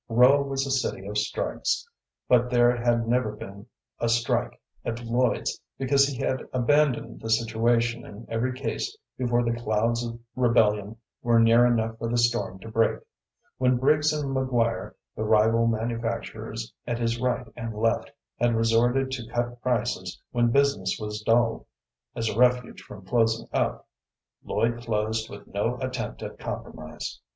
Rowe was a city of strikes, but there had never been a strike at Lloyd's because he had abandoned the situation in every case before the clouds of rebellion were near enough for the storm to break. When Briggs and McGuire, the rival manufacturers at his right and left, had resorted to cut prices when business was dull, as a refuge from closing up, Lloyd closed with no attempt at compromise.